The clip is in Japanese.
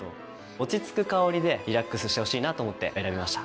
落ち着く香りでリラックスしてほしいなと思って選びました。